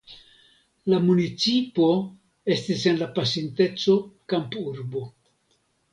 La municipo estis en la pasinteco kampurbo.